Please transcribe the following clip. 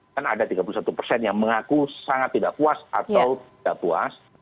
kan ada tiga puluh satu persen yang mengaku sangat tidak puas atau tidak puas